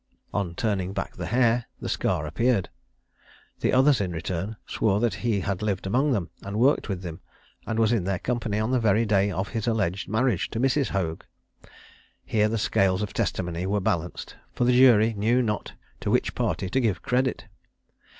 On turning back the hair, the scar appeared. The others, in return, swore that he had lived among them, worked with them, and was in their company on the very day of his alleged marriage with Mrs. Hoag. Here the scales of testimony were balanced, for the jury knew not to which party to give credit.